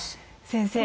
先生。